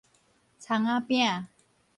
蔥仔餅